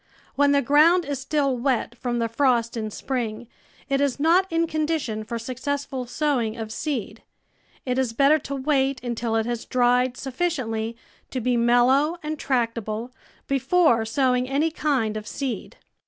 When the ground is still wet from the frost in spring it is not in condition for successful sowing of seed; it is better to wait until it has dried sufficiently to be mellow and tractable before sowing any kind of seed.